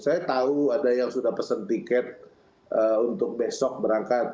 saya tahu ada yang sudah pesen tiket untuk besok berangkat